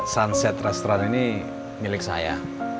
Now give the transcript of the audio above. sunset restoran ini milik saya